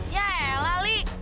ya elah li